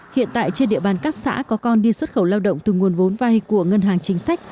hiện tại trên địa bàn các xã có con đi xuất khẩu lao động từ nguồn vốn vay của ngân hàng chính sách